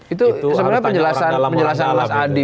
itu sebenarnya penjelasan mas adi